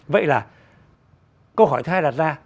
vậy là câu hỏi thứ hai đặt ra